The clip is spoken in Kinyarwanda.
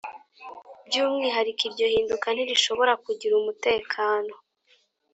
By umwihariko iryo hinduka ntirishobora kugira umutekano